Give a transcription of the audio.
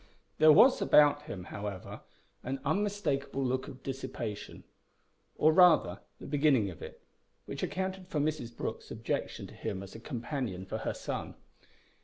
There was about him, however, an unmistakable look of dissipation or, rather, the beginning of it which accounted for Mrs Brooke's objection to him as a companion for her son.